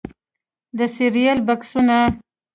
د سیریل بکسونو